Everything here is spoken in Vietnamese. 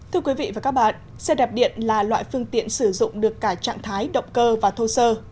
thưa quý vị và các bạn xe đạp điện là loại phương tiện sử dụng được cả trạng thái động cơ và thô sơ